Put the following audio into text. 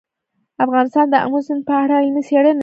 افغانستان د آمو سیند په اړه علمي څېړنې لري.